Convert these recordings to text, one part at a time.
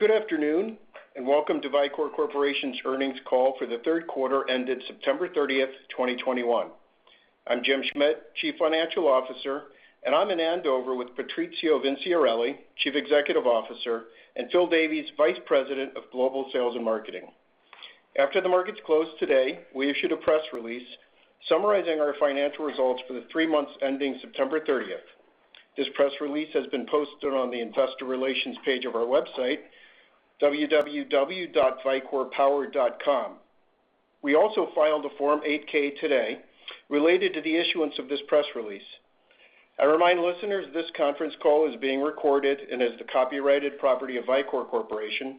Good afternoon, and welcome to Vicor Corporation's earnings call for the third quarter ended September 30th, 2021. I'm Jim Schmidt, Chief Financial Officer, and I'm in Andover with Patrizio Vinciarelli, Chief Executive Officer, and Phil Davies, Vice President of Global Sales and Marketing. After the markets closed today, we issued a press release summarizing our financial results for the three months ending September 30th. This press release has been posted on the investor relations page of our website, www.vicorpower.com. We also filed a Form 8-K today related to the issuance of this press release. I remind listeners this conference call is being recorded and is the copyrighted property of Vicor Corporation.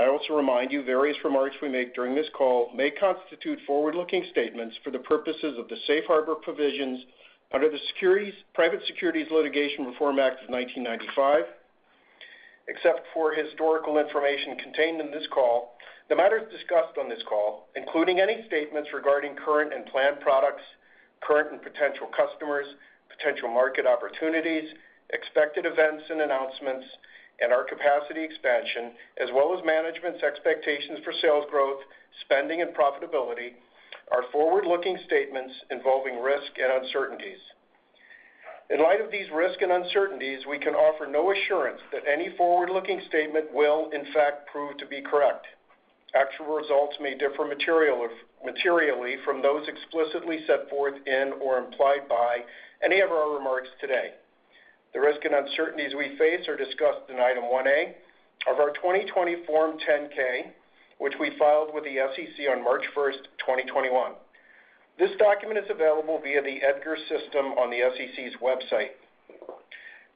I also remind you various remarks we make during this call may constitute forward-looking statements for the purposes of the safe harbor provisions under the Private Securities Litigation Reform Act of 1995. Except for historical information contained in this call, the matters discussed on this call, including any statements regarding current and planned products, current and potential customers, potential market opportunities, expected events and announcements, and our capacity expansion, as well as management's expectations for sales growth, spending, and profitability, are forward-looking statements involving risk and uncertainties. In light of these risks and uncertainties, we can offer no assurance that any forward-looking statement will in fact prove to be correct. Actual results may differ materially from those explicitly set forth in or implied by any of our remarks today. The risks and uncertainties we face are discussed in Item 1A of our 2020 Form 10-K, which we filed with the SEC on March 1st, 2021. This document is available via the EDGAR system on the SEC's website.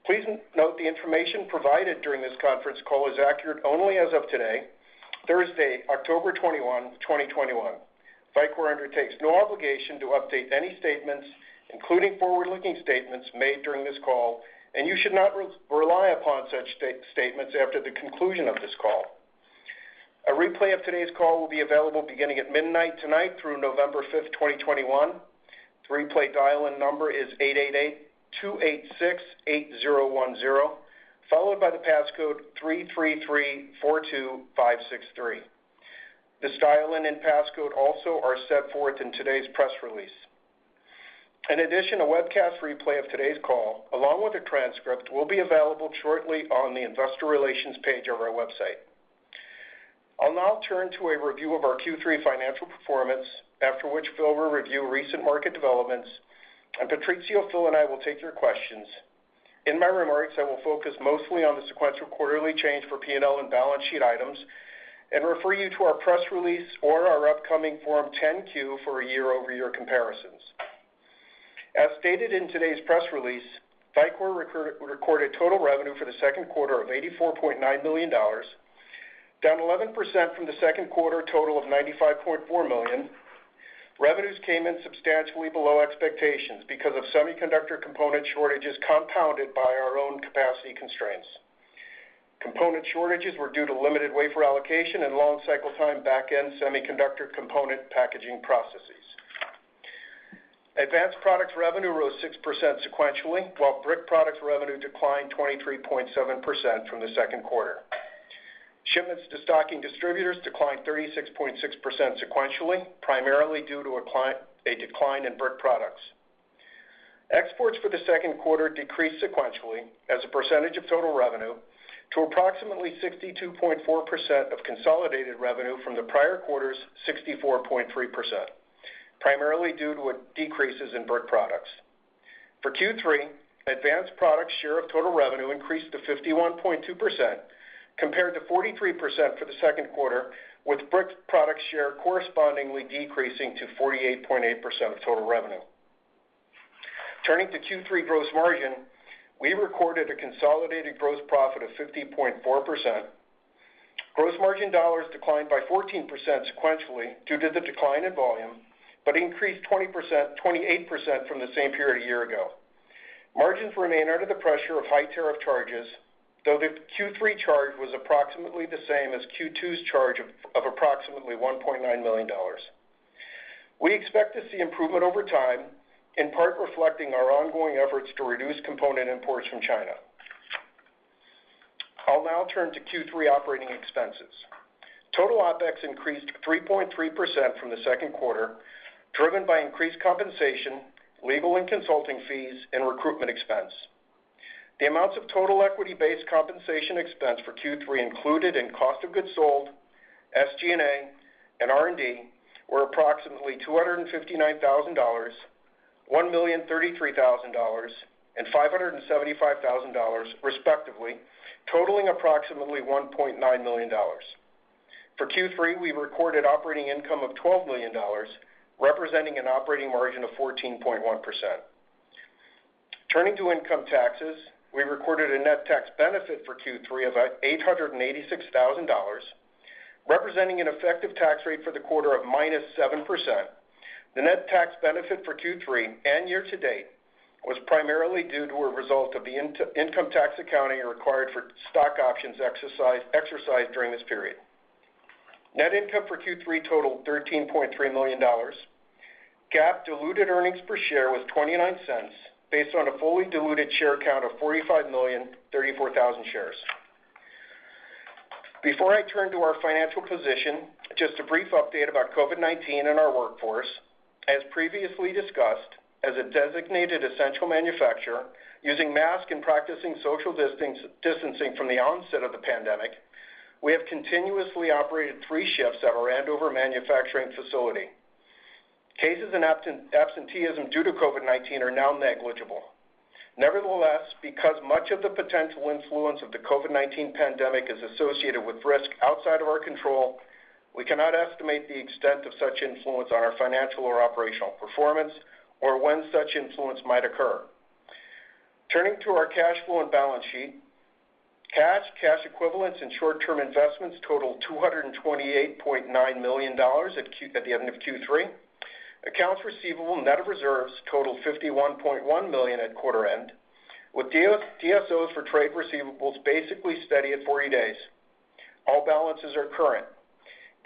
Please note the information provided during this conference call is accurate only as of today, Thursday, October 21, 2021. Vicor undertakes no obligation to update any statements, including forward-looking statements made during this call, and you should not rely upon such statements after the conclusion of this call. A replay of today's call will be available beginning at midnight tonight through November 5th, 2021. The replay dial-in number is 888-286-8010, followed by the passcode 33342563. This dial-in and passcode also are set forth in today's press release. In addition, a webcast replay of today's call, along with a transcript, will be available shortly on the investor relations page of our website. I'll now turn to a review of our Q3 financial performance, after which Phil will review recent market developments, and Patrizio, Phil, and I will take your questions. In my remarks, I will focus mostly on the sequential quarterly change for P&L and balance sheet items and refer you to our press release or our upcoming Form 10-Q for a year-over-year comparisons. As stated in today's press release, Vicor recorded total revenue for the second quarter of $84.9 million, down 11% from the second quarter total of $95.4 million. Revenues came in substantially below expectations because of semiconductor component shortages compounded by our own capacity constraints. Component shortages were due to limited wafer allocation and long cycle time back-end semiconductor component packaging processes. Advanced products revenue rose 6% sequentially, while brick products revenue declined 23.7% from the second quarter. Shipments to stocking distributors declined 36.6% sequentially, primarily due to a decline in brick products. Exports for the second quarter decreased sequentially as a percentage of total revenue to approximately 62.4% of consolidated revenue from the prior quarter's 64.3%, primarily due to decreases in brick products. For Q3, advanced products share of total revenue increased to 51.2%, compared to 43% for the second quarter, with brick products share correspondingly decreasing to 48.8% of total revenue. Turning to Q3 gross margin, we recorded a consolidated gross profit of 50.4%. Gross margin dollars declined by 14% sequentially due to the decline in volume, but increased 28% from the same period a year ago. Margins remain under the pressure of high tariff charges, though the Q3 charge was approximately the same as Q2's charge of approximately $1.9 million. We expect to see improvement over time, in part reflecting our ongoing efforts to reduce component imports from China. I'll now turn to Q3 operating expenses. Total OpEx increased 3.3% from the second quarter, driven by increased compensation, legal and consulting fees, and recruitment expense. The amounts of total equity-based compensation expense for Q3 included in cost of goods sold, SG&A, and R&D were approximately $259,000, $1,033,000, and $575,000, respectively, totaling approximately $1.9 million. For Q3, we recorded operating income of $12 million, representing an operating margin of 14.1%. Turning to income taxes, we recorded a net tax benefit for Q3 of $886,000, representing an effective tax rate for the quarter of -7%. The net tax benefit for Q3 and year to date was primarily due to a result of the income tax accounting required for stock options exercised during this period. Net income for Q3 totaled $13.3 million. GAAP diluted earnings per share was $0.29 based on a fully diluted share count of 45,034,000 shares. Before I turn to our financial position, just a brief update about COVID-19 and our workforce. As previously discussed, as a designated essential manufacturer, using masks and practicing social distancing from the onset of the pandemic, we have continuously operated three shifts at our Andover manufacturing facility. Cases and absenteeism due to COVID-19 are now negligible. Nevertheless, because much of the potential influence of the COVID-19 pandemic is associated with risk outside of our control, we cannot estimate the extent of such influence on our financial or operational performance, or when such influence might occur. Turning to our cash flow and balance sheet. Cash, cash equivalents, and short-term investments totaled $228.9 million at the end of Q3. Accounts receivable net of reserves totaled $51.1 million at quarter end, with DSOs for trade receivables basically steady at 40 days. All balances are current.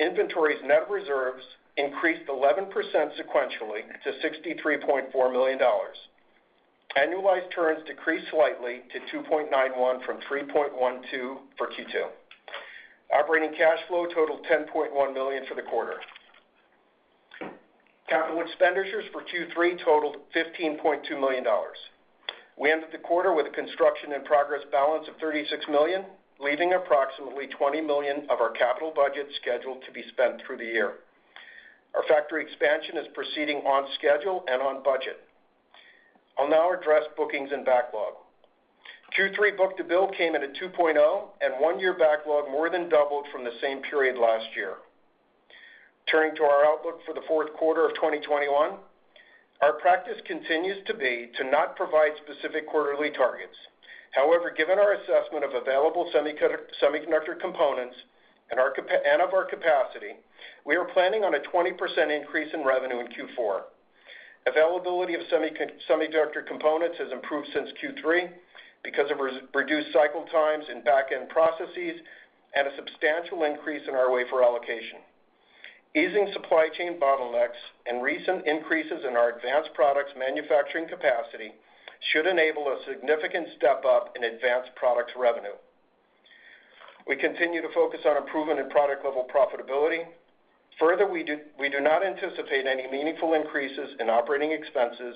Inventories net reserves increased 11% sequentially to $63.4 million. Annualized turns decreased slightly to 2.91 from 3.12 for Q2. Operating cash flow totaled $10.1 million for the quarter. Capital expenditures for Q3 totaled $15.2 million. We ended the quarter with a construction-in-progress balance of $36 million, leaving approximately $20 million of our capital budget scheduled to be spent through the year. Our factory expansion is proceeding on schedule and on budget. I'll now address bookings and backlog. Q3 book-to-bill came in at 2.0, and one-year backlog more than doubled from the same period last year. Turning to our outlook for the fourth quarter of 2021. Our practice continues to be to not provide specific quarterly targets. However, given our assessment of available semiconductor components and of our capacity, we are planning on a 20% increase in revenue in Q4. Availability of semiconductor components has improved since Q3 because of reduced cycle times in back-end processes and a substantial increase in our wafer allocation. Easing supply chain bottlenecks and recent increases in our advanced products manufacturing capacity should enable a significant step-up in advanced products revenue. We continue to focus on improvement in product-level profitability. Further, we do not anticipate any meaningful increases in operating expenses.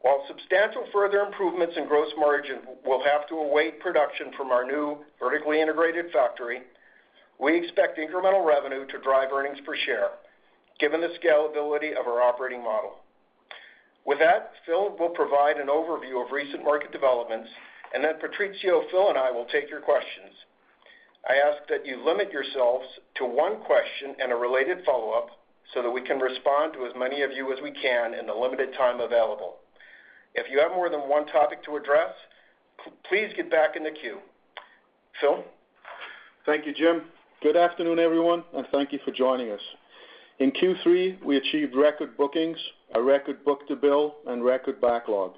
While substantial further improvements in gross margin will have to await production from our new vertically integrated factory, we expect incremental revenue to drive earnings per share, given the scalability of our operating model. With that, Phil will provide an overview of recent market developments, and then Patrizio, Phil, and I will take your questions. I ask that you limit yourselves to one question and a related follow-up so that we can respond to as many of you as we can in the limited time available. If you have more than one topic to address, please get back in the queue. Phil? Thank you, Jim. Good afternoon, everyone, and thank you for joining us. In Q3, we achieved record bookings, a record book-to-bill, and record backlog.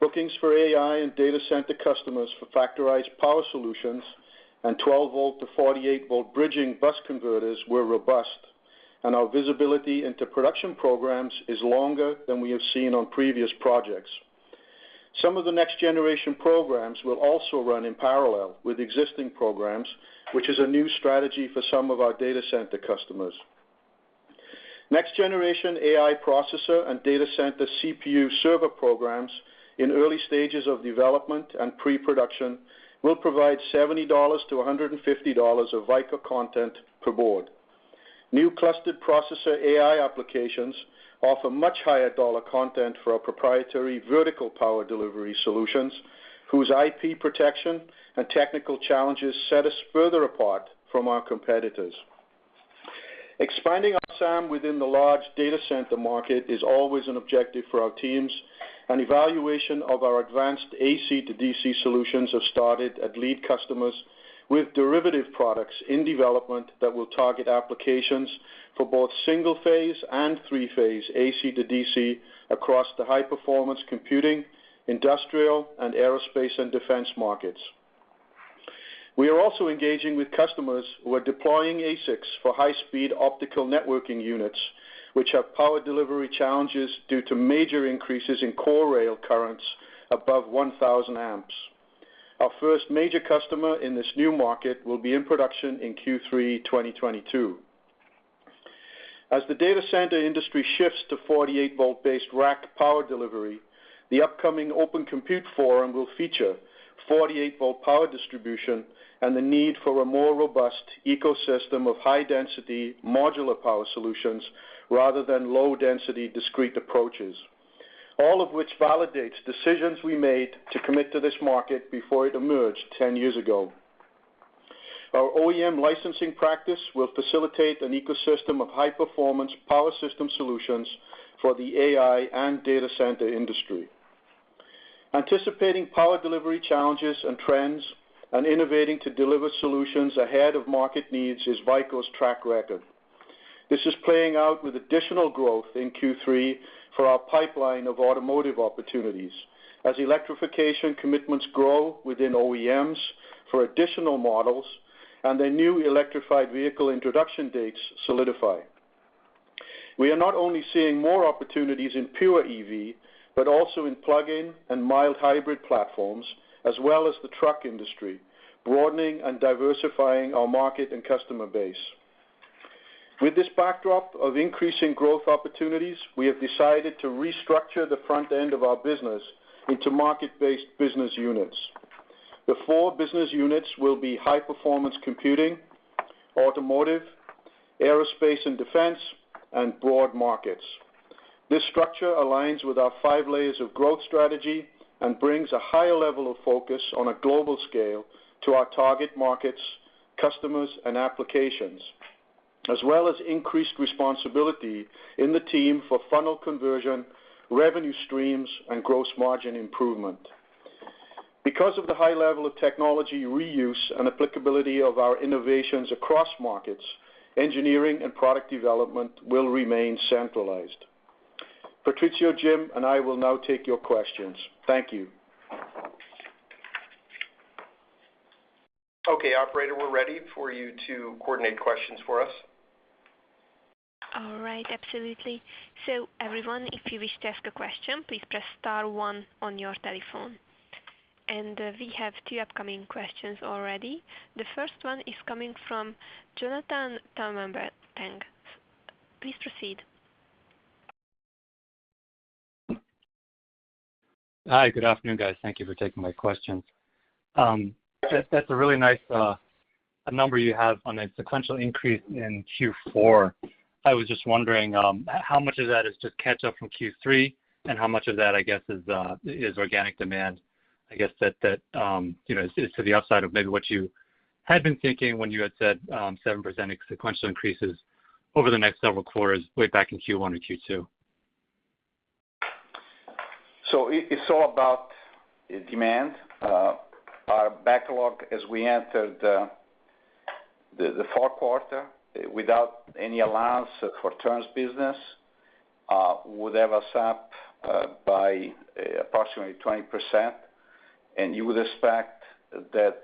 Bookings for AI and data center customers for Factorized Power Solutions and 12V-48V bridging bus converters were robust, and our visibility into production programs is longer than we have seen on previous projects. Some of the next-generation programs will also run in parallel with existing programs, which is a new strategy for some of our data center customers. Next-generation AI processor and data center CPU server programs in early stages of development and pre-production will provide $70-$150 of Vicor content per board. New clustered processor AI applications offer much higher dollar content for our proprietary Vertical Power Delivery solutions, whose IP protection and technical challenges set us further apart from our competitors. Expanding our SAM within the large data center market is always an objective for our teams. An evaluation of our advanced AC-to-DC solutions have started at lead customers with derivative products in development that will target applications for both single-phase and three-phase AC-to-DC across the high-performance computing, industrial, and aerospace and defense markets. We are also engaging with customers who are deploying ASICs for high-speed optical networking units, which have power delivery challenges due to major increases in core rail currents above 1,000 amps. Our first major customer in this new market will be in production in Q3 2022. As the data center industry shifts to 48V based rack power delivery, the upcoming Open Compute Project will feature 48V power distribution and the need for a more robust ecosystem of high-density modular power solutions rather than low-density discrete approaches. All of which validates decisions we made to commit to this market before it emerged 10 years ago. Our OEM licensing practice will facilitate an ecosystem of high-performance power system solutions for the AI and data center industry. Anticipating power delivery challenges and trends and innovating to deliver solutions ahead of market needs is Vicor's track record. This is playing out with additional growth in Q3 for our pipeline of automotive opportunities as electrification commitments grow within OEMs for additional models and their new electrified vehicle introduction dates solidify. We are not only seeing more opportunities in pure EV, but also in plug-in and mild hybrid platforms, as well as the truck industry, broadening and diversifying our market and customer base. With this backdrop of increasing growth opportunities, we have decided to restructure the front end of our business into market-based business units. The four business units will be high-performance computing, automotive, aerospace and defense, and broad markets. This structure aligns with our Five Layers of Growth strategy and brings a higher level of focus on a global scale to our target markets, customers, and applications, as well as increased responsibility in the team for funnel conversion, revenue streams, and gross margin improvement. Because of the high level of technology reuse and applicability of our innovations across markets, engineering and product development will remain centralized. Patrizio, Jim, and I will now take your questions. Thank you. Okay, operator, we're ready for you to coordinate questions for us. All right. Absolutely. Everyone, if you wish to ask a question, please press star one on your telephone. We have two upcoming questions already. The first one is coming from Jonathan Tanwanteng. Please proceed. Hi. Good afternoon, guys. Thank you for taking my questions. That's a really nice number you have on a sequential increase in Q4. I was just wondering, how much of that is just catch-up from Q3, and how much of that, I guess, is organic demand? I guess that is to the upside of maybe what you had been thinking when you had said 7% sequential increases over the next several quarters way back in Q1 and Q2. It's all about demand. Our backlog as we entered the fourth quarter without any allowance for turns business would have us up by approximately 20%, and you would expect that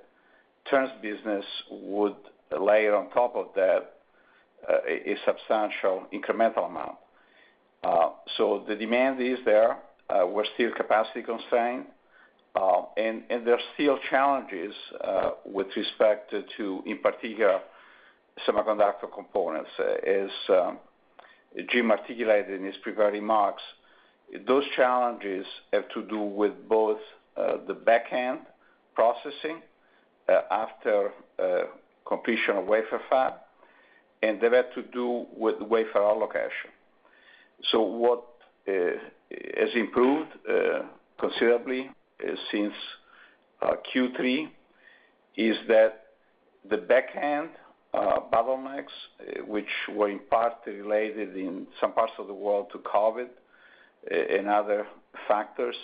turns business would layer on top of that a substantial incremental amount. The demand is there. We're still capacity constrained, and there are still challenges with respect to, in particular, semiconductor components. As Jim articulated in his prepared remarks, those challenges have to do with both the back-end processing after completion of wafer fab, and they have to do with wafer allocation. What has improved considerably since Q3 is that the back-end bottlenecks, which were in part related in some parts of the world to COVID-19 and other factors,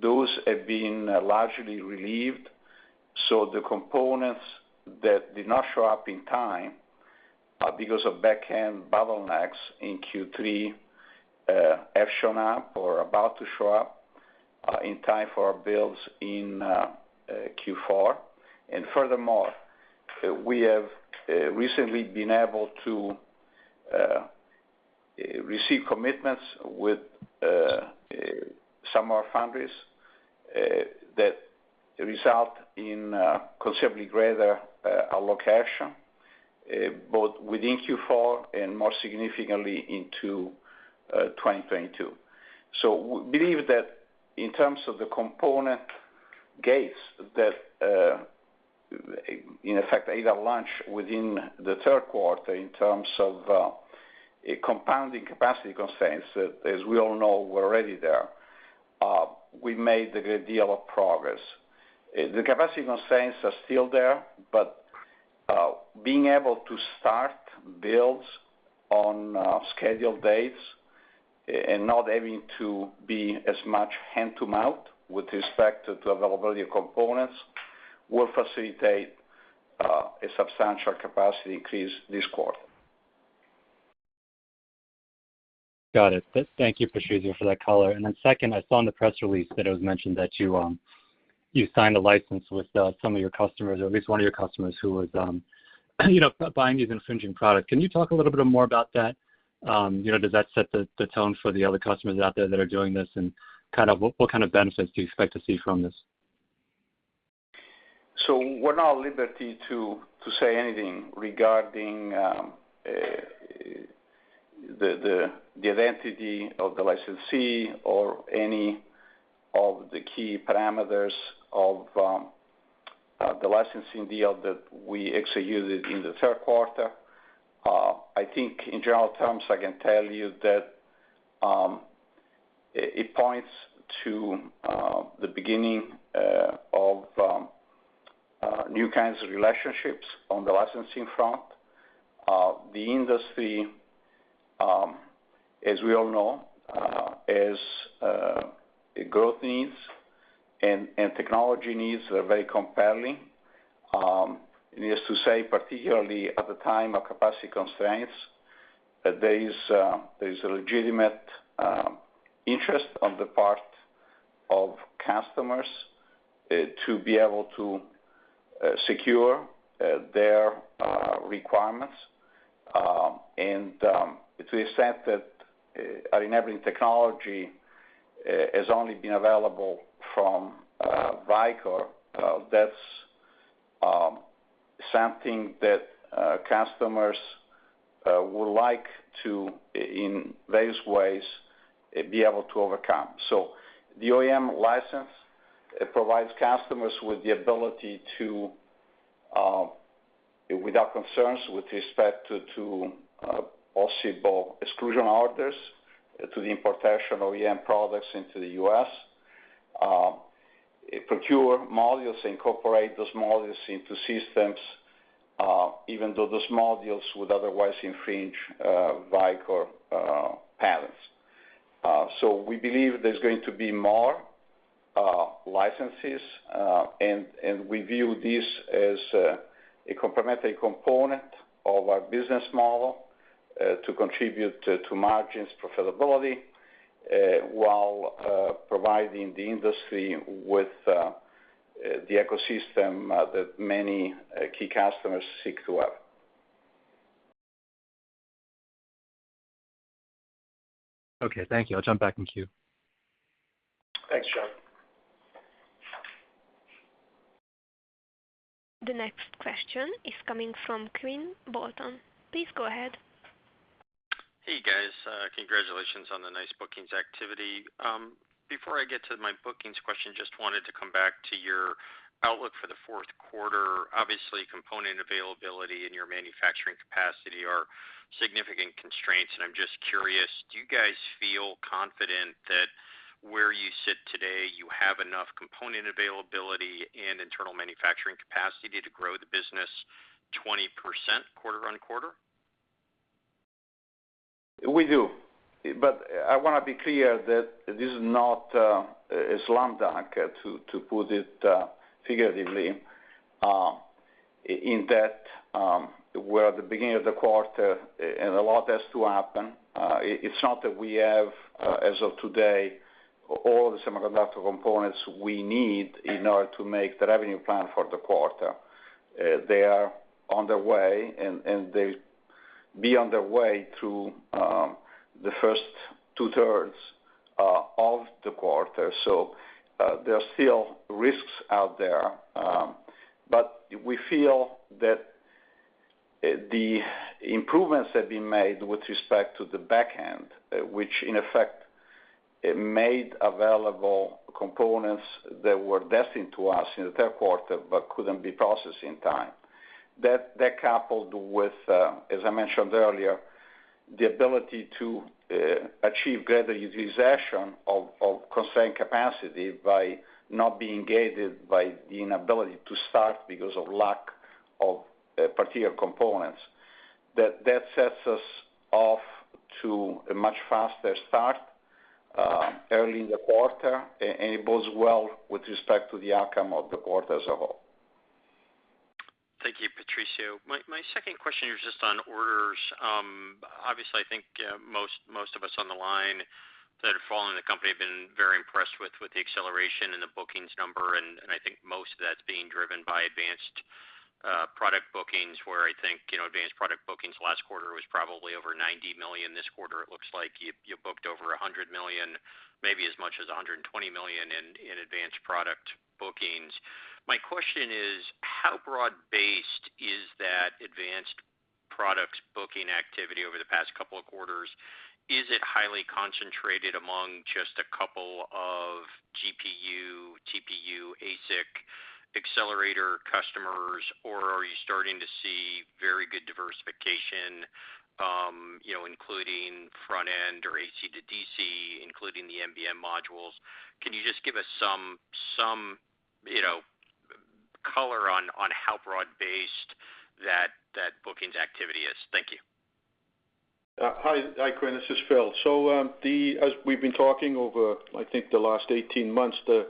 those have been largely relieved. The components that did not show up in time because of back-end bottlenecks in Q3 have shown up or are about to show up in time for our builds in Q4. Furthermore, we have recently been able to receive commitments with some of our foundries that result in considerably greater allocation, both within Q4 and more significantly into 2022. We believe that in terms of the component gates that in effect either launch within the third quarter in terms of compounding capacity constraints, as we all know, were already there. We made a great deal of progress. The capacity constraints are still there, but being able to start builds on scheduled dates and not having to be as much hand-to-mouth with respect to the availability of components will facilitate a substantial capacity increase this quarter. Got it. Thank you, Patrizio, for that color. Second, I saw in the press release that it was mentioned that you signed a license with some of your customers, or at least one of your customers who was buying these infringing product. Can you talk a little bit more about that? Does that set the tone for the other customers out there that are doing this, and what kind of benefits do you expect to see from this? We're not at liberty to say anything regarding the identity of the licensee or any of the key parameters of the licensing deal that we executed in the third quarter. I think in general terms, I can tell you that it points to the beginning of new kinds of relationships on the licensing front. The industry, as we all know, has growth needs and technology needs that are very compelling. Needless to say, particularly at the time of capacity constraints, there is a legitimate interest on the part of customers to be able to secure their requirements. To the extent that enabling technology has only been available from Vicor, that's something that customers would like to, in various ways, be able to overcome. The OEM license provides customers with the ability to, without concerns with respect to possible exclusion orders to the importation of OEM products into the U.S., procure modules, incorporate those modules into systems, even though those modules would otherwise infringe Vicor patents. We believe there's going to be more licenses, and we view this as a complementary component of our business model to contribute to margins profitability, while providing the industry with the ecosystem that many key customers seek to have. Okay, thank you. I'll jump back in queue. Thanks, John. The next question is coming from Quinn Bolton. Please go ahead. Hey, guys. Congratulations on the nice bookings activity. Before I get to my bookings question, just wanted to come back to your outlook for the fourth quarter. Obviously, component availability and your manufacturing capacity are significant constraints, and I'm just curious, do you guys feel confident that where you sit today, you have enough component availability and internal manufacturing capacity to grow the business 20% quarter-on-quarter? We do. I want to be clear that this is not a slam dunk, to put it figuratively, in that we're at the beginning of the quarter and a lot has to happen. It's not that we have as of today, all the semiconductor components we need in order to make the revenue plan for the quarter. They are on their way, and they'll be on their way through the first two-thirds of the quarter. There are still risks out there. We feel that the improvements that have been made with respect to the back end, which in effect made available components that were destined to us in the third quarter but couldn't be processed in time. That coupled with, as I mentioned earlier, the ability to achieve greater utilization of constrained capacity by not being gated by the inability to start because of lack of particular components. That sets us off to a much faster start early in the quarter, enables well with respect to the outcome of the quarter as a whole. Thank you, Patrizio. My second question is just on orders. I think most of us on the line that have followed the company have been very impressed with the acceleration and the bookings number, and I think most of that's being driven by advanced product bookings, where I think advanced product bookings last quarter was probably over $90 million. This quarter, it looks like you booked over $100 million, maybe as much as $120 million in advanced product bookings. My question is, how broad-based is that advanced products booking activity over the past couple of quarters? Is it highly concentrated among just a couple of GPU, TPU, ASIC accelerator customers, or are you starting to see very good diversification, including front-end or AC-DC, including the NBM modules? Can you just give us some color on how broad-based that bookings activity is? Thank you. Hi, Quinn. This is Phil. As we've been talking over, I think the last 18 months, the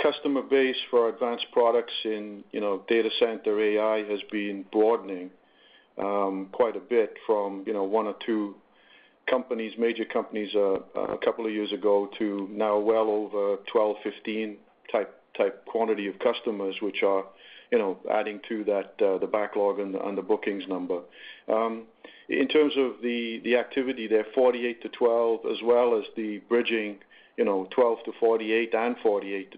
customer base for advanced products in data center AI has been broadening quite a bit from one or two major companies a couple of years ago to now well over 12, 15 type quantity of customers, which are adding to the backlog and the bookings number. In terms of the activity there, 48-12, as well as the bridging 12-48 and 48-12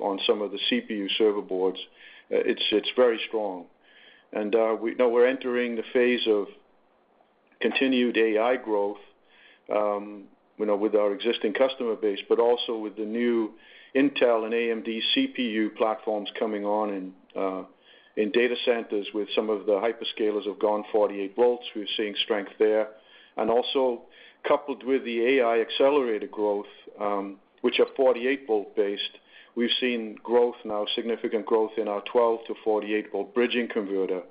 on some of the CPU server boards, it's very strong. We're entering the phase of continued AI growth with our existing customer base, but also with the new Intel and AMD CPU platforms coming on in data centers with some of the hyperscalers who have gone 48Vs. We're seeing strength there. Also coupled with the AI accelerator growth, which are 48V based, we've seen growth now, significant growth in our 12-48V bridging converter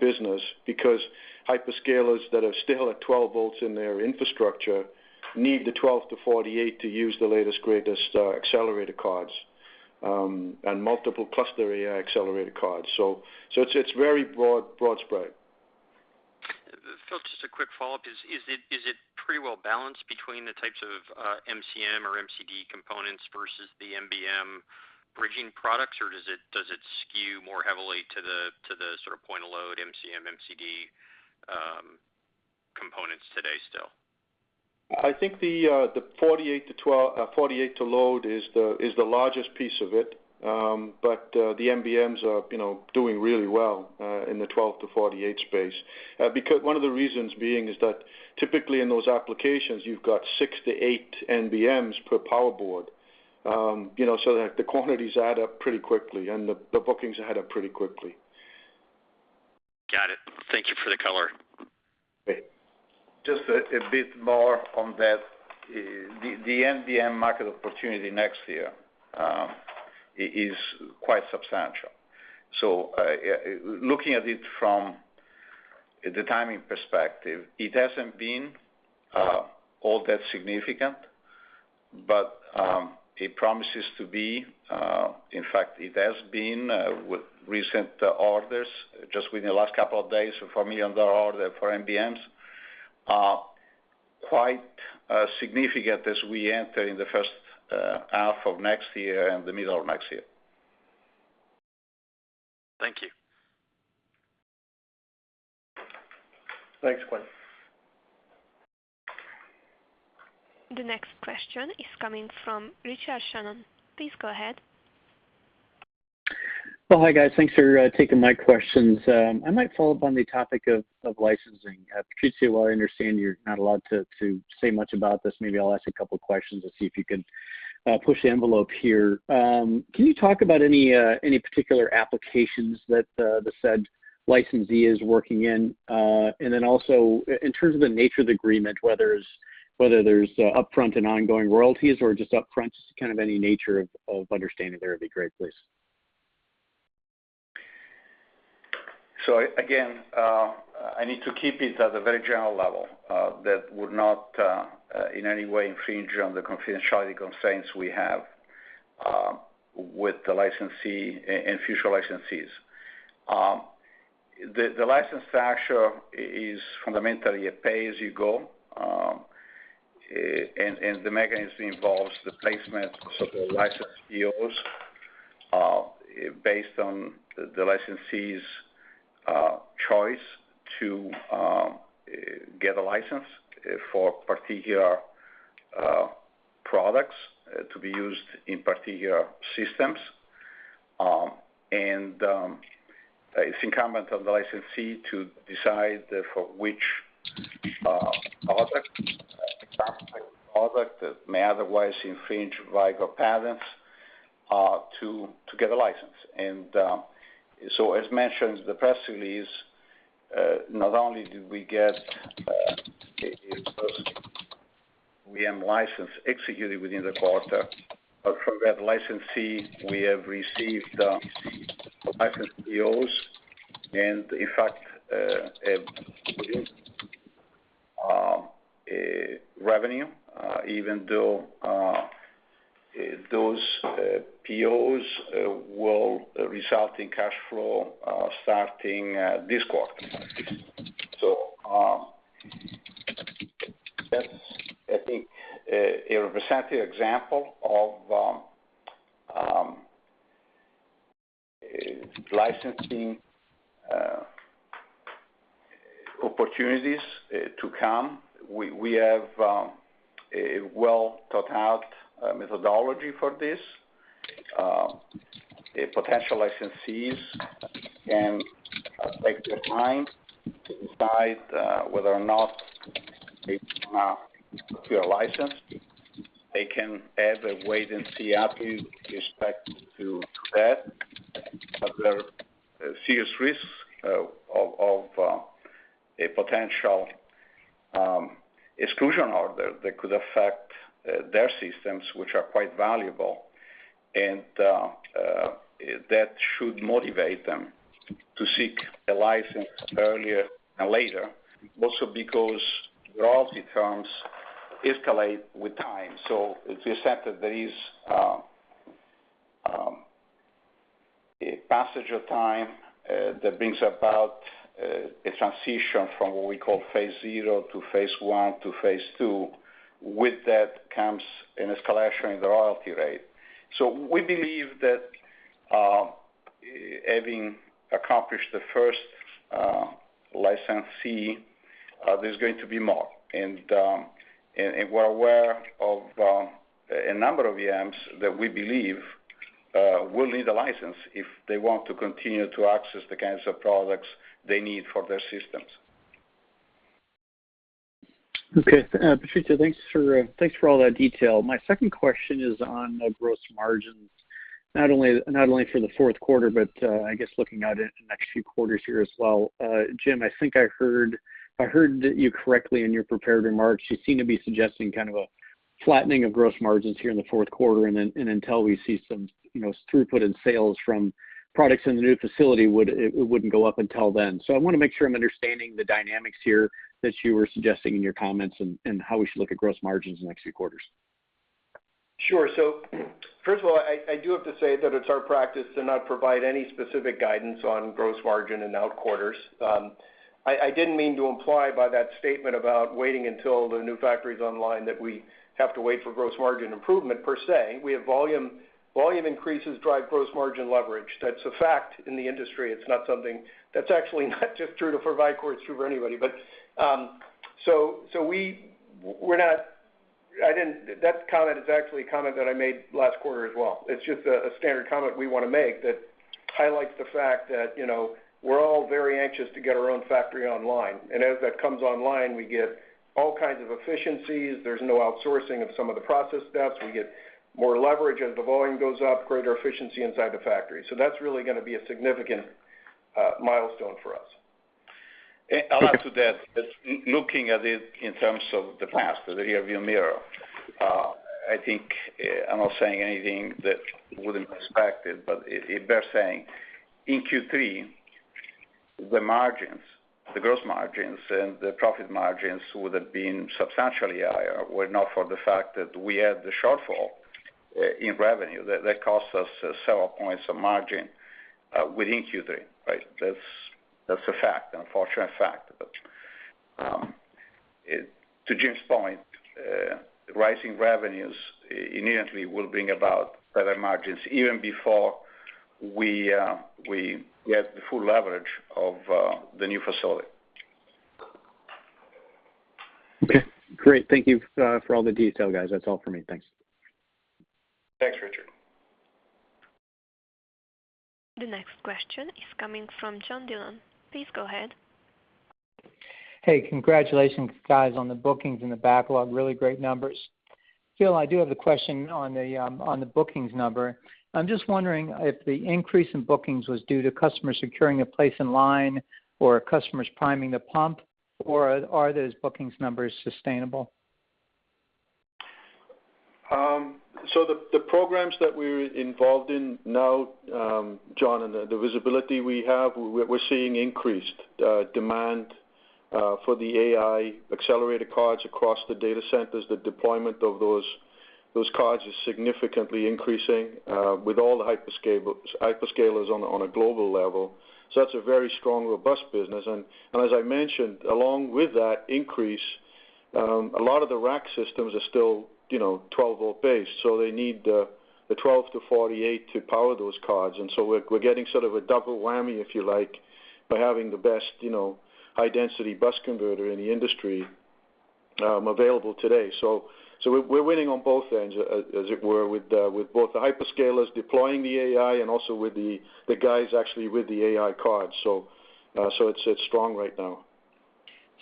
business, because hyperscalers that are still at 12Vs in their infrastructure need the 12-48 to use the latest, greatest accelerator cards and multiple cluster AI accelerator cards. It's very broad spread. A quick follow-up. Is it pretty well balanced between the types of MCM or MCD components versus the NBM bridging products, or does it skew more heavily to the point of load MCM, MCD components today still? I think the 48 to load is the largest piece of it. The NBMs are doing really well in the 12-48 space. One of the reasons being is that typically in those applications, you've got six to eight NBMs per power board. The quantities add up pretty quickly, and the bookings add up pretty quickly. Got it. Thank you for the color. Great. Just a bit more on that. The NBM market opportunity next year is quite substantial. Looking at it from the timing perspective, it hasn't been all that significant, but it promises to be. In fact, it has been with recent orders, just within the last couple of days, a $4 million order for NBMs, quite significant as we enter in the first half of next year and the middle of next year. Thank you. Thanks, Quinn. The next question is coming from Richard Shannon. Please go ahead. Well, hi, guys. Thanks for taking my questions. I might follow up on the topic of licensing. Patrizio, while I understand you're not allowed to say much about this, maybe I'll ask a couple of questions and see if you can push the envelope here. Can you talk about any particular applications that the said licensee is working in? Then also, in terms of the nature of the agreement, whether there's upfront and ongoing royalties or just upfront, just any nature of understanding there would be great, please. Again, I need to keep it at a very general level, that would not in any way infringe on the confidentiality constraints we have with the licensee and future licensees. The license structure is fundamentally a pay-as-you-go, and the mechanism involves the placement of the license POs based on the licensee's choice to get a license for particular products to be used in particular systems. It's incumbent on the licensee to decide for which product, exactly product that may otherwise infringe Vicor patents, to get a license. As mentioned in the press release, not only did we get a first OEM license executed within the quarter, but from that licensee, we have received license POs and in fact, revenue, even though those POs will result in cash flow starting this quarter. That's, I think, a representative example of licensing opportunities to come. We have a well-thought-out methodology for this. Potential licensees can take their time to decide whether or not they want to secure a license. They can have a wait-and-see attitude with respect to that, but there are serious risks of a potential exclusion order that could affect their systems, which are quite valuable. That should motivate them to seek a license earlier than later, also because royalty terms escalate with time. It's accepted there is a passage of time that brings about a transition from what we call phase 0 to phase 1 to phase 2. With that comes an escalation in the royalty rate. We believe that having accomplished the first licensee, there's going to be more. We're aware of a number of OEMs that we believe will need a license if they want to continue to access the kinds of products they need for their systems. Okay. Patrizio, thanks for all that detail. My second question is on gross margins, not only for the fourth quarter, but I guess looking at it in the next few quarters here as well. Jim, I think I heard you correctly in your prepared remarks. You seem to be suggesting a flattening of gross margins here in the fourth quarter, and until we see some throughput in sales from products in the new facility, it wouldn't go up until then. I want to make sure I'm understanding the dynamics here that you were suggesting in your comments and how we should look at gross margins in the next few quarters. Sure. First of all, I do have to say that it's our practice to not provide any specific guidance on gross margin in out quarters. I didn't mean to imply by that statement about waiting until the new factory's online that we have to wait for gross margin improvement per se. Volume increases drive gross margin leverage. That's a fact in the industry. That's actually not just true to Vicor, it's true for anybody. That comment is actually a comment that I made last quarter as well. It's just a standard comment we want to make that highlights the fact that we're all very anxious to get our own factory online. As that comes online, we get all kinds of efficiencies. There's no outsourcing of some of the process steps. We get more leverage as the volume goes up, greater efficiency inside the factory. That's really going to be a significant milestone for us. I'll add to that looking at it in terms of the past, the rearview mirror, I'm not saying anything that wouldn't be expected, but it bears saying, in Q3, the gross margins and the profit margins would have been substantially higher were it not for the fact that we had the shortfall in revenue that cost us several points of margin within Q3, right? That's an unfortunate fact. To Jim's point, rising revenues immediately will bring about better margins even before we get the full leverage of the new facility. Okay, great. Thank you for all the detail, guys. That's all for me. Thanks. Thanks, Richard. The next question is coming from John Dillon, please go ahead. Hey, congratulations, guys, on the bookings and the backlog. Really great numbers. Phil, I do have a question on the bookings number. I'm just wondering if the increase in bookings was due to customers securing a place in line or customers priming the pump, or are those bookings numbers sustainable? The programs that we're involved in now, John, and the visibility we have, we're seeing increased demand for the AI accelerator cards across the data centers. The deployment of those cards is significantly increasing, with all the hyperscalers on a global level. That's a very strong, robust business. As I mentioned, along with that increase, a lot of the rack systems are still 12V based, so they need the 12V-48V to power those cards. We're getting sort of a double whammy, if you like, by having the best high-density bus converter in the industry available today. We're winning on both ends, as it were, with both the hyperscalers deploying the AI and also with the guys actually with the AI cards. It's strong right now.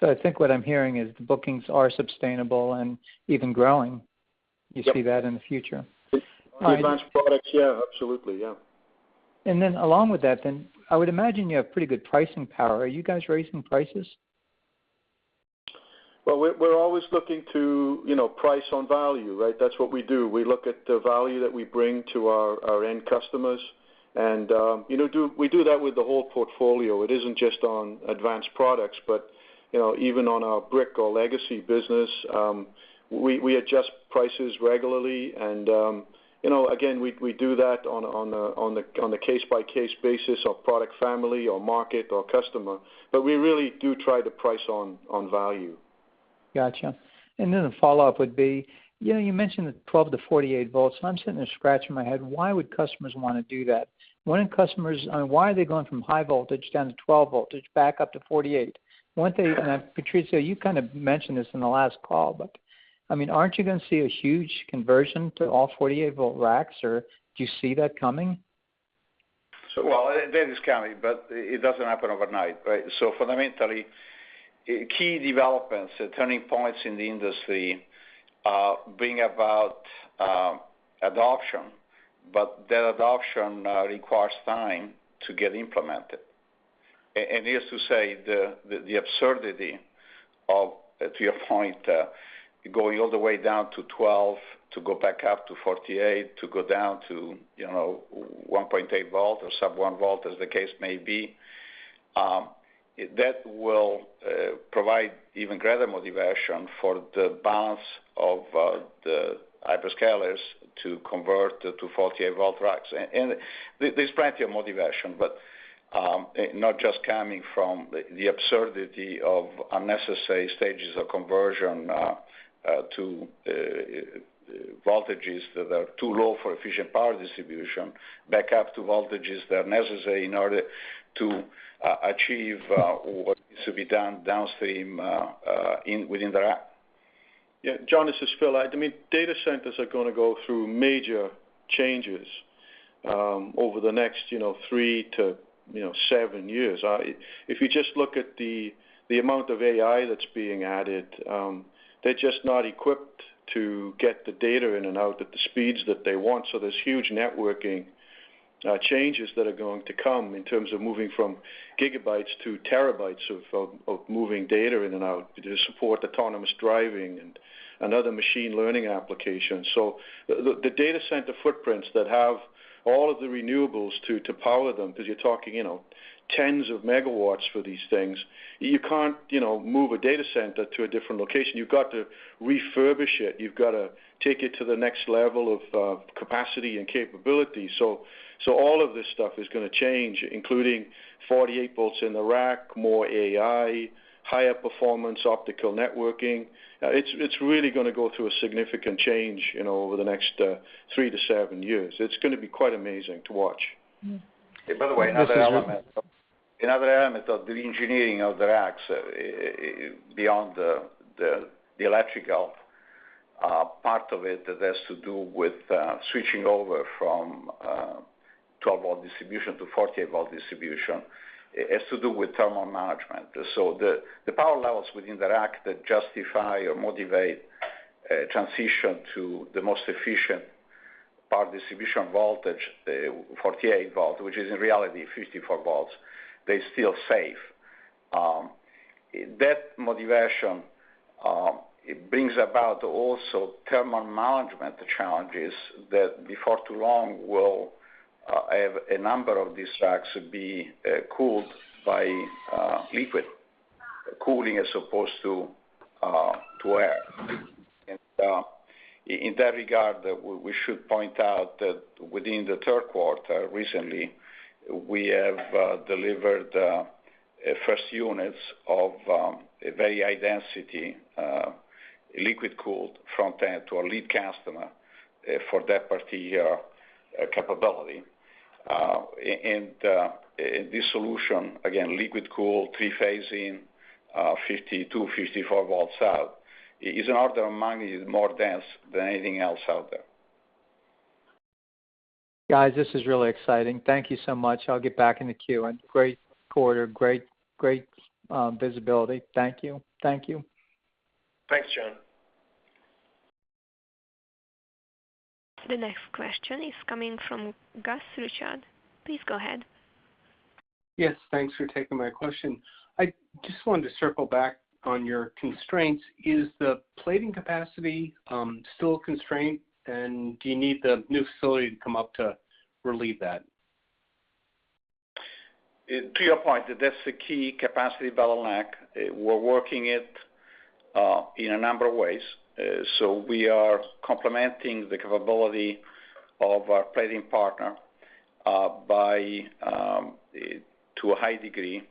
I think what I'm hearing is the bookings are sustainable and even growing. Yep. You see that in the future? Advanced products, yeah, absolutely. Yeah. Along with that, I would imagine you have pretty good pricing power. Are you guys raising prices? Well, we're always looking to price on value, right? That's what we do. We look at the value that we bring to our end customers, and we do that with the whole portfolio. It isn't just on advanced products, but even on our brick or legacy business, we adjust prices regularly and, again, we do that on the case-by-case basis of product family or market or customer, but we really do try to price on value. Gotcha. The follow-up would be, you mentioned the 12V-48V, and I'm sitting there scratching my head. Why would customers want to do that? Why are they going from high voltage down to 12 voltage back up to 48? Patrizio, you kind of mentioned this in the last call, but aren't you going to see a huge conversion to all 48V racks, or do you see that coming? Well, that is coming, but it doesn't happen overnight, right? Fundamentally, key developments, turning points in the industry, bring about adoption, but that adoption requires time to get implemented. Needless to say, the absurdity of, to your point, going all the way down to 12V to go back up to 48V, to go down to 1.8V or sub-1V, as the case may be, that will provide even greater motivation for the balance of the hyperscalers to convert to 48V racks. There's plenty of motivation, but not just coming from the absurdity of unnecessary stages of conversion to voltages that are too low for efficient power distribution back up to voltages that are necessary in order to achieve what needs to be done downstream within the rack. Yeah, John, this is Phil. Data centers are going to go through major changes over the next three to seven years. If you just look at the amount of AI that's being added, they're just not equipped to get the data in and out at the speeds that they want, so there's huge networking changes that are going to come in terms of moving from GB to TB of moving data in and out to support autonomous driving and other machine learning applications. The data center footprints that have all of the renewables to power them, because you're talking tens of MW for these things. You can't move a data center to a different location. You've got to refurbish it. You've got to take it to the next level of capacity and capability. All of this stuff is going to change, including 48V in the rack, more AI, higher performance optical networking. It's really going to go through a significant change over the next three to seven years. It's going to be quite amazing to watch. Another element of the engineering of the racks, beyond the electrical part of it that has to do with switching over from 12V distribution to 48V distribution, has to do with thermal management. The power levels within the rack that justify or motivate a transition to the most efficient power distribution voltage, the 48V, which is in reality 54V, they still safe. That motivation, it brings about also thermal management challenges that before too long, will have a number of these racks be cooled by liquid cooling as opposed to air. In that regard, we should point out that within the third quarter, recently, we have delivered first units of a very high density liquid-cooled front end to a lead customer for that particular capability. This solution, again, liquid-cooled, three-phase in, 52V, 54Vs out, is an one order of magnitude more dense than anything else out there. Guys, this is really exciting. Thank you so much. I'll get back in the queue. Great quarter. Great visibility. Thank you. Thanks, John. The next question is coming from Gus Richard. Please go ahead. Yes, thanks for taking my question. I just wanted to circle back on your constraints. Is the plating capacity still a constraint? Do you need the new facility to come up to relieve that? To your point, that's the key capacity bottleneck. We are complementing the capability of our plating partner by, to a high degree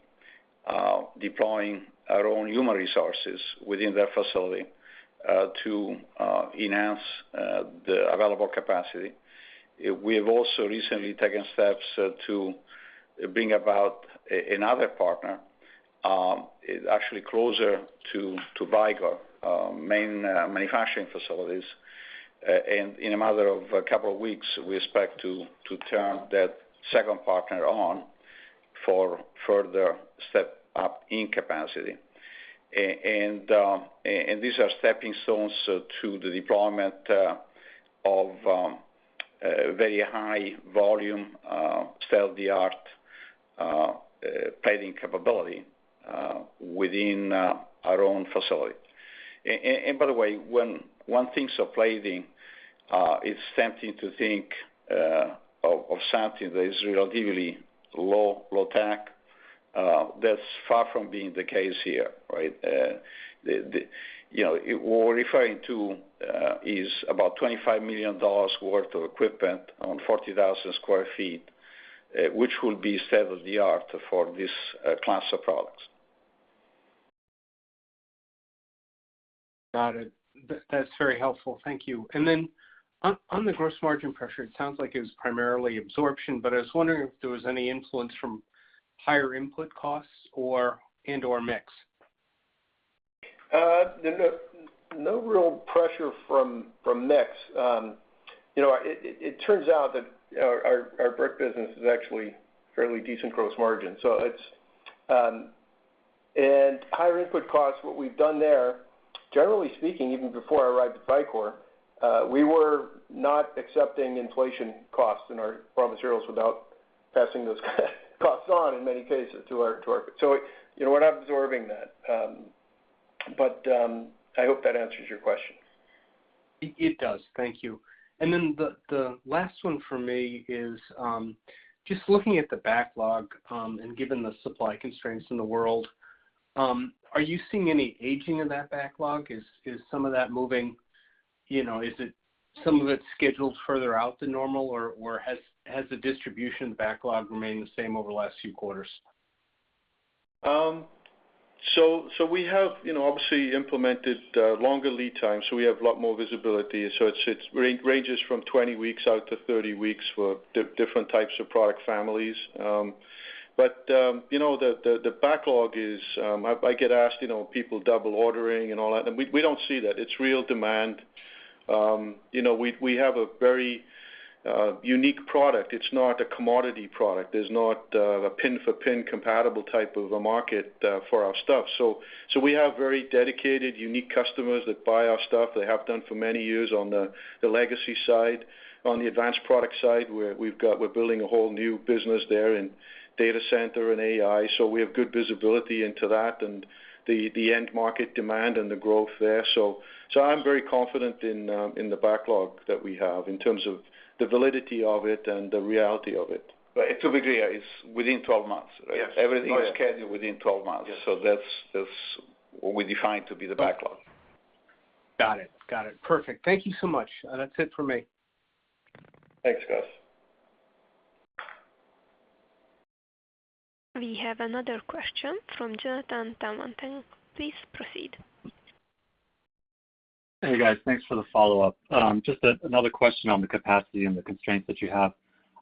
deploying our own human resources within their facility, to enhance the available capacity. We have also recently taken steps to bring about another partner, actually closer to Vicor main manufacturing facilities. In a matter of two weeks, we expect to turn that second partner on for further step up in capacity. These are stepping stones to the deployment of very high volume state-of-the-art plating capability within our own facility. By the way, when one thinks of plating, it's tempting to think of something that is relatively low tech. That's far from being the case here, right. What we're referring to is about $25 million worth of equipment on 40,000 sq ft, which will be state-of-the-art for this class of products. Got it. That is very helpful. Thank you. On the gross margin pressure, it sounds like it was primarily absorption, but I was wondering if there was any influence from higher input costs and/or mix. There's no real pressure from mix. It turns out that our brick business is actually fairly decent gross margin. Higher input costs, what we've done there, generally speaking, even before I arrived at Vicor, we were not accepting inflation costs in our raw materials without passing those costs on in many cases to our target. We're not absorbing that. I hope that answers your question. It does. Thank you. The last one from me is just looking at the backlog, and given the supply constraints in the world, are you seeing any aging of that backlog? Is some of it's scheduled further out than normal, or has the distribution backlog remained the same over the last few quarters? We have obviously implemented longer lead times, so we have a lot more visibility. It ranges from 20-30 weeks for different types of product families. The backlog is, I get asked, people double ordering and all that, and we don't see that. It's real demand. We have a very unique product. It's not a commodity product. There's not a pin-for-pin compatible type of a market for our stuff. We have very dedicated, unique customers that buy our stuff. They have done for many years on the legacy side. On the advanced product side, we're building a whole new business there in data center and AI, so we have good visibility into that and the end market demand and the growth there. I'm very confident in the backlog that we have in terms of the validity of it and the reality of it. To be clear, it's within 12 months, right? Yes. Everything is scheduled within 12 months. Yes. That's what we define to be the backlog. Got it. Perfect. Thank you so much. That's it for me. Thanks, Gus. We have another question from Jonathan Tanwanteng. Please proceed. Hey, guys. Thanks for the follow-up. Just another question on the capacity and the constraints that you have.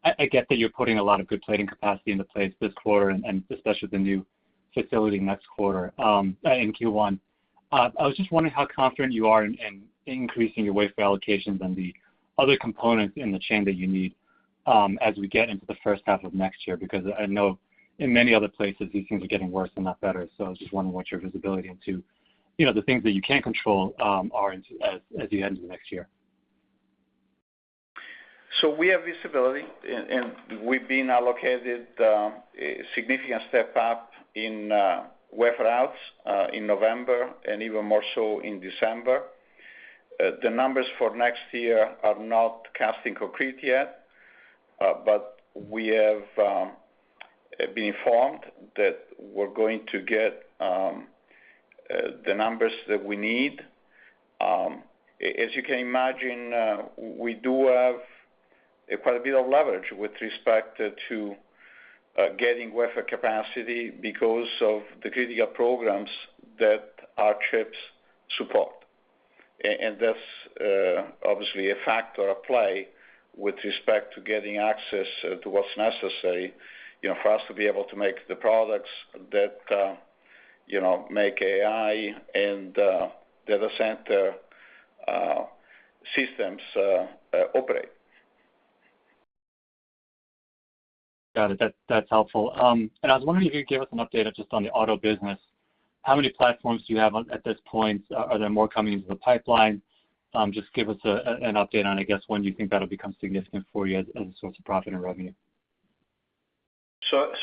I get that you're putting a lot of good plating capacity into place this quarter, and especially the new facility next quarter, in Q1. I was just wondering how confident you are in increasing your wafer allocations and the other components in the chain that you need as we get into the first half of next year, because I know in many other places, these things are getting worse and not better. I was just wondering what your visibility into the things that you can control are as we head into next year. We have visibility, and we've been allocated a significant step-up in wafer outs in November, and even more so in December. The numbers for next year are not cast in concrete yet, but we have been informed that we're going to get the numbers that we need. As you can imagine, we do have quite a bit of leverage with respect to getting wafer capacity because of the critical programs that our chips support. That's obviously a factor at play with respect to getting access to what's necessary for us to be able to make the products that make AI and data center systems operate. Got it. That's helpful. I was wondering if you could give us an update just on the auto business. How many platforms do you have at this point? Are there more coming into the pipeline? Just give us an update on, I guess, when you think that'll become significant for you as a source of profit and revenue.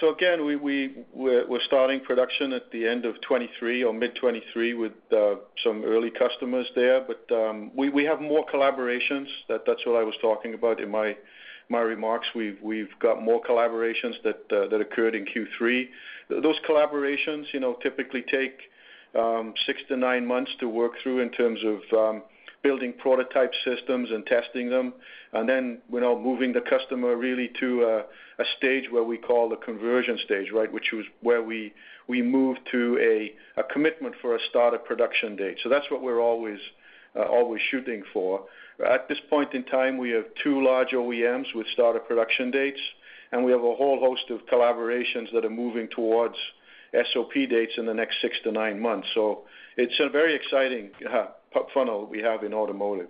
Again, we're starting production at the end of 2023 or mid-2023 with some early customers there. We have more collaborations. That's what I was talking about in my remarks. We've got more collaborations that occurred in Q3. Those collaborations typically take six to nine months to work through in terms of building prototype systems and testing them, and then moving the customer really to a stage where we call the conversion stage, right. Which is where we move to a commitment for a start-of-production date. That's what we're always shooting for. At this point in time, we have two large OEMs with start-of-production dates, and we have a whole host of collaborations that are moving towards SOP dates in the next six to nine months. It's a very exciting funnel we have in automotive.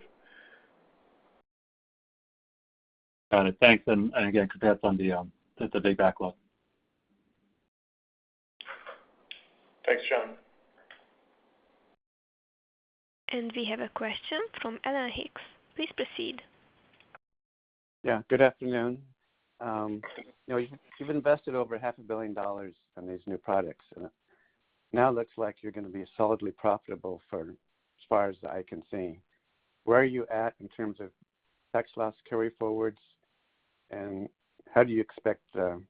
Got it. Thanks. Again, congrats on the big backlog. Thanks, John. We have a question from Alan Hicks. Please proceed. Good afternoon. You've invested over half a billion dollars on these new products. It now looks like you're going to be solidly profitable for as far as the eye can see. Where are you at in terms of tax loss carryforwards? When do you expect to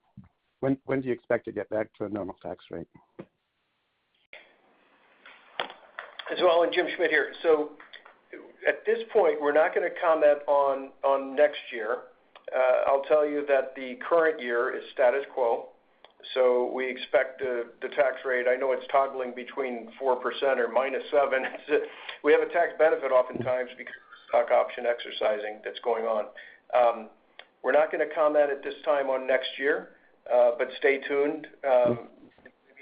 get back to a normal tax rate? Alan, Jim Schmidt here. At this point, we're not going to comment on next year. I'll tell you that the current year is status quo, so we expect the tax rate, I know it's toggling between 4% or -7%. We have a tax benefit oftentimes because of stock option exercising that's going on. We're not going to comment at this time on next year, but stay tuned. Maybe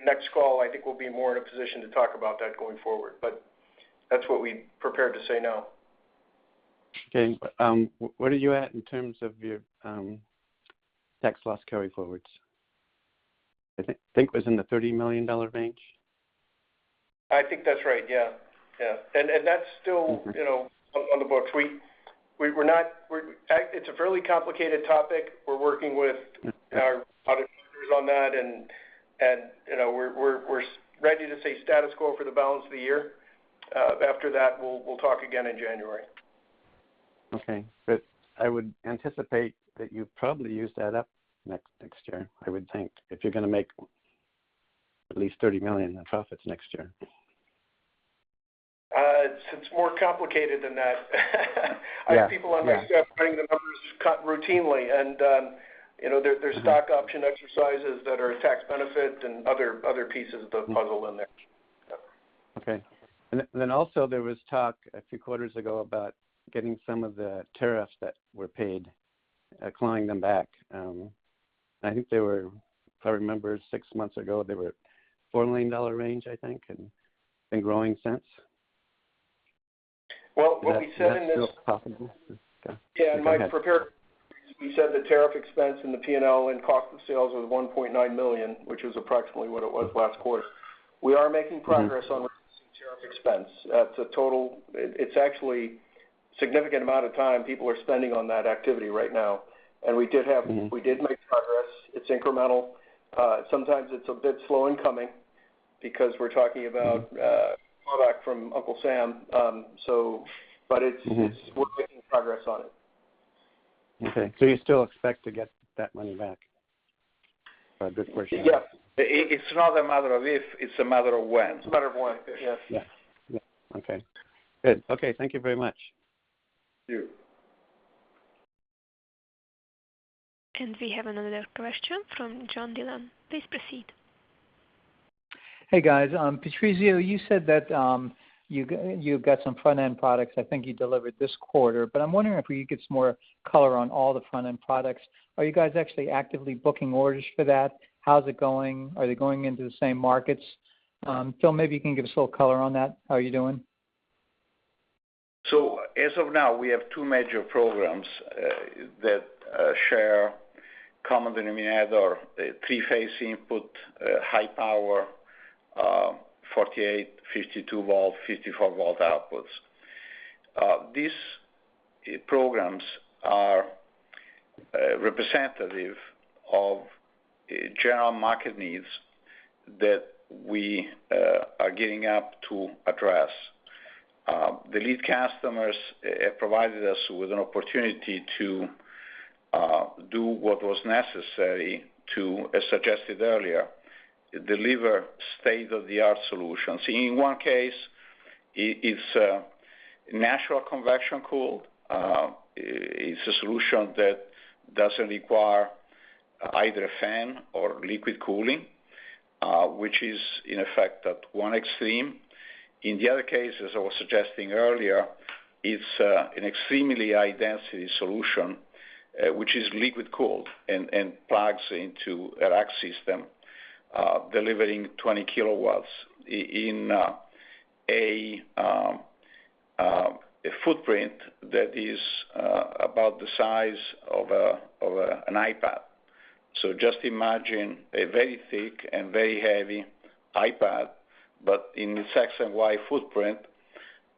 next call, I think we'll be more in a position to talk about that going forward. That's what we prepared to say now. Okay. Where are you at in terms of your tax loss carryforwards? I think it was in the $30 million range. I think that's right, yeah. That's still on the books. It's a fairly complicated topic. We're working with our audit partners on that, and we're ready to say status quo for the balance of the year. After that, we'll talk again in January. Okay. I would anticipate that you'd probably use that up next year, I would think, if you're going to make at least $30 million in profits next year. It's more complicated than that. Yeah. I have people on my staff running the numbers routinely, and there's stock option exercises that are a tax benefit and other pieces of the puzzle in there. Yeah. Okay. Also there was talk a few quarters ago about getting some of the tariffs that were paid, clawing them back. I think they were, if I remember, six months ago, they were $4 million range, I think, and been growing since. Well, what we said in this. That's still possible? Mike, for clear, we said the tariff expense in the P&L and cost of sales was $1.9 million, which was approximately what it was last quarter. We are making progress on reducing tariff expense. It's actually significant amount of time people are spending on that activity right now, and we did make progress. It's incremental. Sometimes it's a bit slow in coming because we're talking about product from Uncle Sam, but we're making progress on it. Okay. You still expect to get that money back, or a good portion of it? Yeah. It's not a matter of if, it's a matter of when. It's a matter of when. Yes. Yeah. Okay. Good. Okay, thank you very much. Thank you. We have another question from John Dillon. Please proceed. Hey, guys. Patrizio, you said that you've got some front-end products I think you delivered this quarter, but I'm wondering if we could get some more color on all the front-end products. Are you guys actually actively booking orders for that? How is it going? Are they going into the same markets? Phil, maybe you can give us a little color on that. How are you doing? As of now, we have 2 major programs that share common denominator, 3-phase input, high power, 48V, 52V, 54V outputs. These programs are representative of general market needs that we are gearing up to address. The lead customers provided us with an opportunity to do what was necessary to, as suggested earlier, deliver state-of-the-art solutions. In one case, it's natural convection cool. It's a solution that doesn't require either fan or liquid cooling, which is in effect at one extreme. In the other case, as I was suggesting earlier, it's an extremely high density solution, which is liquid cooled and plugs into a rack system, delivering 20kW in a footprint that is about the size of an iPad. Just imagine a very thick and very heavy iPad, but in the X and Y footprint,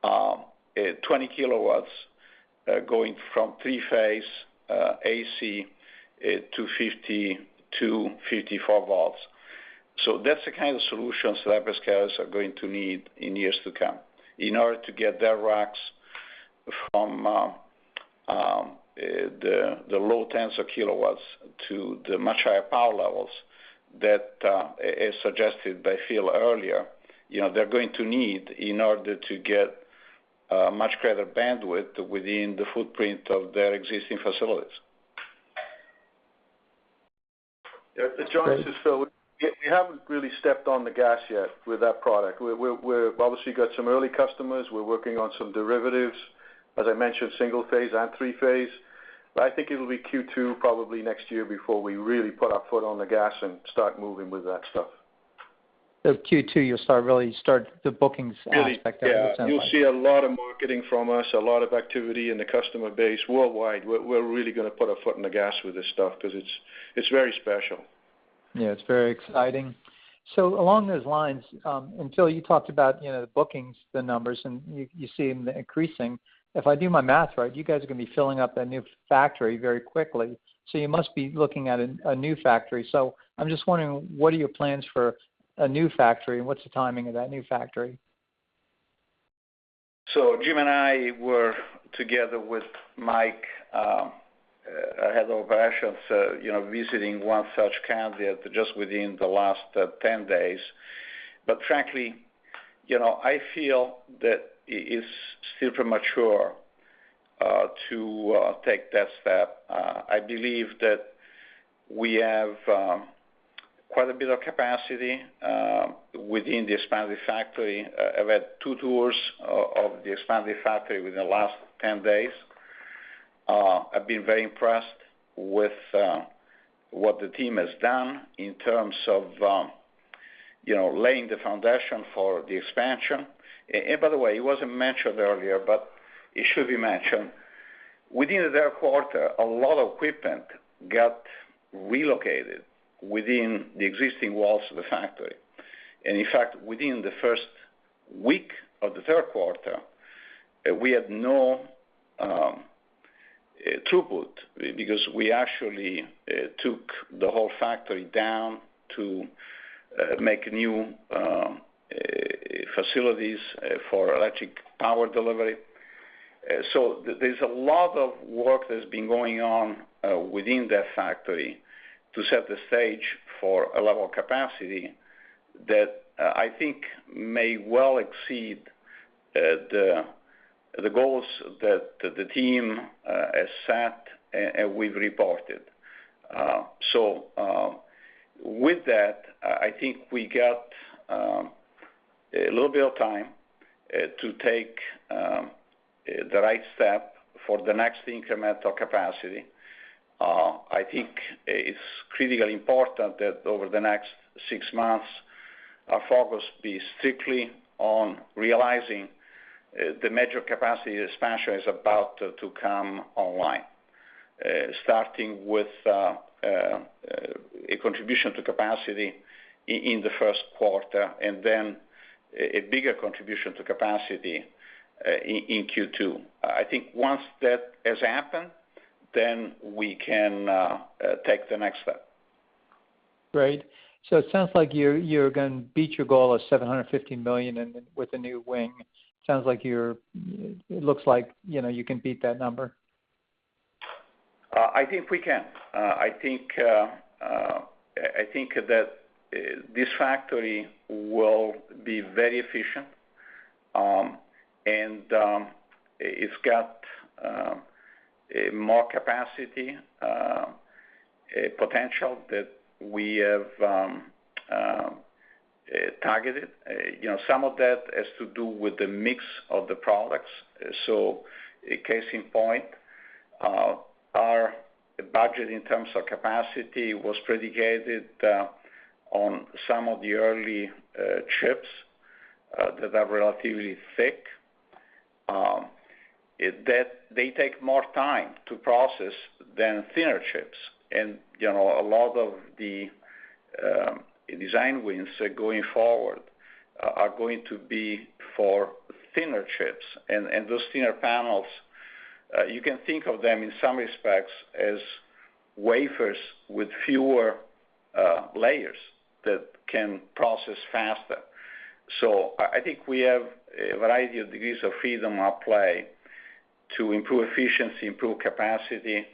20kW going from three-phase AC to 52V, 54V. That's the kind of solutions that our customers are going to need in years to come in order to get their racks from the low tens of kW to the much higher power levels that as suggested by Phil earlier. They're going to need in order to get much greater bandwidth within the footprint of their existing facilities. Yeah, John, this is Phil. We haven't really stepped on the gas yet with that product. We've obviously got some early customers. We're working on some derivatives. As I mentioned, single phase and three-phase, but I think it'll be Q2 probably next year before we really put our foot on the gas and start moving with that stuff. Q2, you'll start the bookings aspect, that's what it sounds like. Yeah. You'll see a lot of marketing from us, a lot of activity in the customer base worldwide. We're really going to put our foot on the gas with this stuff because it's very special. Yeah, it's very exciting. Along those lines, Phil, you talked about the bookings, the numbers, and you see them increasing. If I do my math right, you guys are going to be filling up that new factory very quickly. You must be looking at a new factory. I'm just wondering, what are your plans for a new factory? What's the timing of that new factory? Jim and I were together with Mike, our head of operations, visiting one such candidate just within the last 10 days. Frankly, I feel that it is still premature to take that step. I believe that we have quite a bit of capacity within the expanded factory. I've had two tours of the expanded factory within the last 10 days. I've been very impressed with what the team has done in terms of laying the foundation for the expansion. By the way, it wasn't mentioned earlier, but it should be mentioned. Within the third quarter, a lot of equipment got relocated within the existing walls of the factory. In fact, within the first week of the third quarter, we had no throughput because we actually took the whole factory down to make new facilities for electric power delivery. There's a lot of work that's been going on within that factory to set the stage for a level of capacity that I think may well exceed the goals that the team has set and we've reported. With that, I think we got a little bit of time to take the right step for the next incremental capacity. I think it's critically important that over the next six months, our focus be strictly on realizing the major capacity expansion is about to come online. Starting with a contribution to capacity in the first quarter, and then a bigger contribution to capacity in Q2. I think once that has happened, then we can take the next step. Great. It sounds like you're going to beat your goal of $750 million with the new wing. It looks like you can beat that number. I think we can. I think that this factory will be very efficient, and it's got more capacity potential that we have targeted. Some of that has to do with the mix of the products. A case in point, our budget in terms of capacity was predicated on some of the early chips that are relatively thick. They take more time to process than thinner chips. A lot of the design wins going forward are going to be for thinner chips. Those thinner panels, you can think of them in some respects as wafers with fewer layers that can process faster. I think we have a variety of degrees of freedom at play to improve efficiency, improve capacity,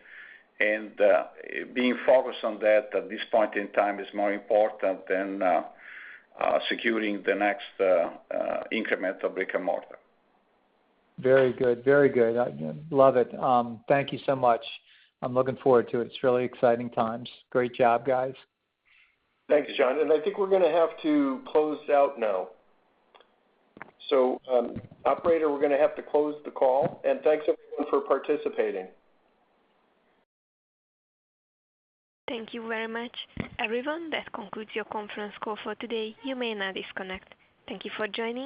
and being focused on that at this point in time is more important than securing the next increment of brick-and-mortar. Very good. Love it. Thank you so much. I'm looking forward to it. It's really exciting times. Great job, guys. Thanks, John. I think we're going to have to close out now. Operator, we're going to have to close the call. Thanks everyone for participating. Thank you very much, everyone. That concludes your conference call for today. You may now disconnect. Thank you for joining.